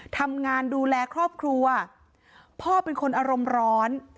ทำงานดูแลครอบครัวพ่อเป็นคนอารมณ์ร้อน